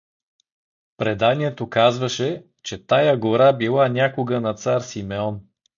Преданието казваше, че тая гора била някога на цар Симеон.